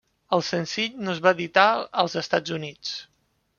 El senzill no es va editar als Estats Units.